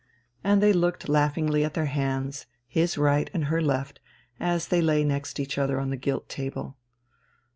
And they looked laughingly at their hands, his right and her left, as they lay next each other on the gilt table.